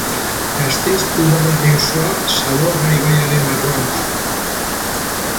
Gasteizko udalerri osoa Zadorra ibaiaren arroan dago.